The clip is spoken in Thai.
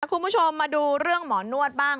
คุณผู้ชมมาดูเรื่องหมอนวดบ้าง